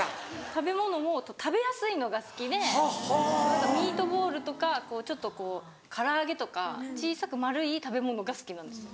食べ物も食べやすいのが好きでミートボールとか唐揚げとか小さく丸い食べ物が好きなんですよ。